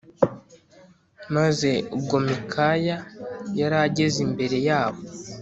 maze ubwo Mikaya yari ageze imbere yabo